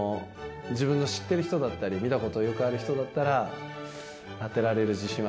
自分の知ってる人だったり見たことよくある人だったら当てられる自信はあるかなと思います。